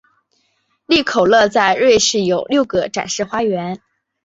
利口乐在瑞士有六个展示花园。